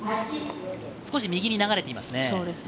少し右に流れていますね。